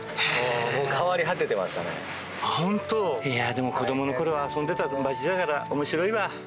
でも子供のころは遊んでた場所だから面白いわ。